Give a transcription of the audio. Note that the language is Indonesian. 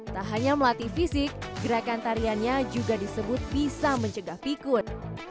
tak hanya melatih fisik gerakan tariannya juga disebut bisa mencegah pikun